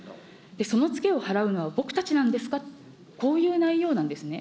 その付けを払うのは僕たちなんですか、こういう内容なんですね。